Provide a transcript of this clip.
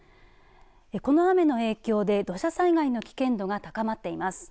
この雨の影響で土砂災害の危険度が高まっています。